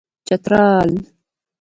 چترال